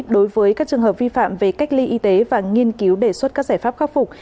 đối với các trường hợp vi phạm về cách ly y tế và nghiên cứu đề xuất các giải pháp khắc phục